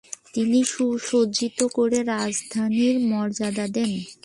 তিনি সুসজ্জিত করে রাজধানীর মর্যাদা দেন।